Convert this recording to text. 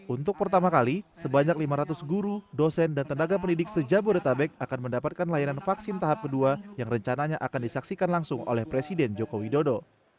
untuk pertama kali sebanyak lima ratus guru dosen dan tenaga pendidik sejabodetabek akan mendapatkan layanan vaksin tahap kedua yang rencananya akan disaksikan langsung oleh presiden joko widodo